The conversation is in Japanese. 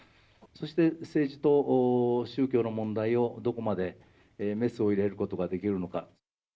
そして、政治と宗教の問題をどこまでメスを入れることができるのか。